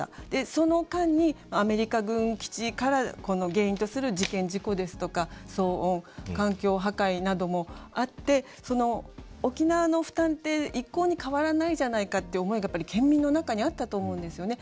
その間にアメリカ軍基地から原因とする事件事故ですとか騒音環境破壊などもあって沖縄の負担って一向に変わらないじゃないかって思いがやっぱり県民の中にあったと思うんですよね。